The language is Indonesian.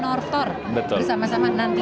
sebelum mereka bisa berjalan ke tempat lain